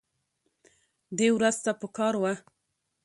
دې ورځ ته پکار وه